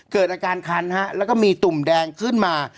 เกิดอาการคันฮะแล้วก็มีตุ่มแดงขึ้นมา